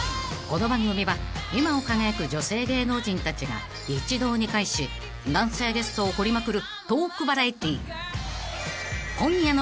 ［この番組は今を輝く女性芸能人たちが一堂に会し男性ゲストを掘りまくるトークバラエティー］